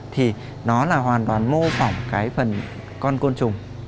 thì nó là hoàn toàn mô phỏng cái phần con côn trùng